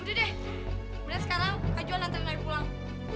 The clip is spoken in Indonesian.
udah deh udah sekarang aku kan jualan tenaga pulang